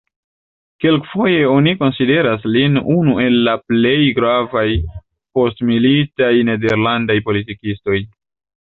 Kelkfoje oni konsideras lin unu el la plej gravaj postmilitaj nederlandaj politikistoj.